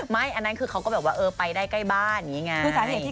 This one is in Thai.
อันนั้นคือเขาก็แบบว่าเออไปได้ใกล้บ้านอย่างนี้ไง